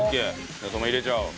じゃあ入れちゃおう。